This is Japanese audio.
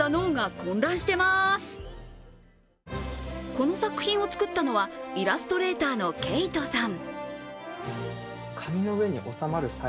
この作品を作ったのはイラストレーターの慧人さん。